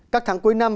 các tháng cuối năm